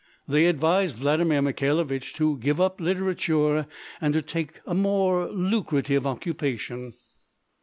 They advised Vladimir Mikhailovich to give up literature and take to some more lucrative occupation.